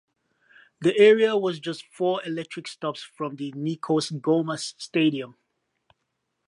The area was just four electric stops from the Nikos Goumas Stadium.